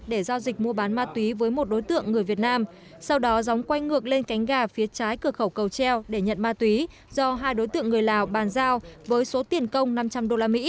để giao dịch mua bán ma túy với một đối tượng người việt nam sau đó gióng quay ngược lên cánh gà phía trái cửa khẩu cầu treo để nhận ma túy do hai đối tượng người lào bàn giao với số tiền công năm trăm linh usd